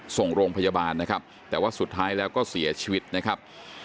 ส่งโรงพยาบาลนะครับแต่ว่าสุดท้ายแล้วก็เสียชีวิตนะครับ